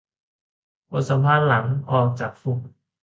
บทสัมภาษณ์หลังออกจากคุก